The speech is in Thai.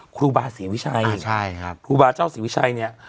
ครูบาศรีวิชัยใช่ครับครูบาเจ้าศรีวิชัยเนี่ย